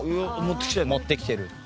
持ってきてるの？